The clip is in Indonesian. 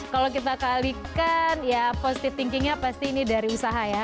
kalau kita kalikan ya positive thinkingnya pasti ini dari usaha ya